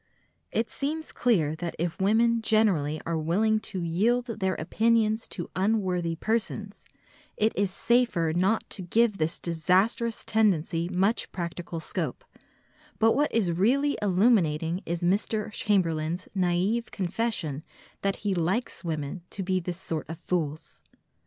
It seems clear that if women generally are willing to yield their opinions to unworthy persons, it is safer not to give this disastrous tendency much practical scope, but what is really illuminating is Mr. Chamberlain's naïve confession that he likes women to be this sort of fools.